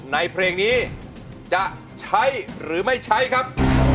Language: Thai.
ในเพลงนี้จะใช้หรือไม่ใช้ครับ